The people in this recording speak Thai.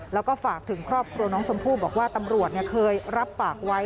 แล้วก็ฝากถึงครอบครัวน้องชมพู่บอกว่าตำรวจเคยรับปากไว้